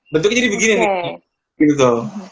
bentuknya jadi begini nih